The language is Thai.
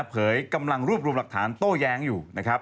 เผยกำลังรวบรวมหลักฐานโต้แย้งอยู่นะครับ